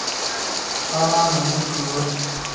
阿拉门戈。